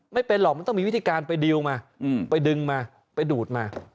ไม่เป็นหรอกมันต้องมีวิธีการไปดีลมาไปดึงมาไปดูดมา